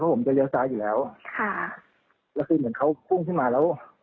ผมจะเลี้ยซ้ายอยู่แล้วค่ะแล้วคือเหมือนเขาพุ่งขึ้นมาแล้ว